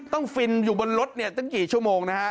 ต้องฟิลอยู่บนรถตั้งกี่ชั่วโมง